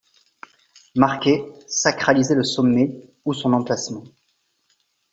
Marquer, sacraliser le sommet ou son emplacement.